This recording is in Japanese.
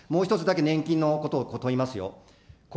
もう１つだけ年金のことを問います。